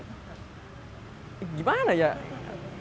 tidak bisa berbicara itu yang paling gimana ya